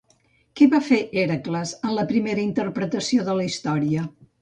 Què va fer Hèracles en la primera interpretació de la història?